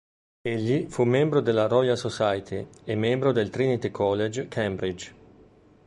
Egli fu membro della Royal Society e membro del Trinity College, Cambridge.